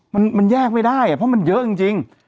มันแยกไม่ได้เพราะมันเยอะจริง